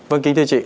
vâng kính thưa chị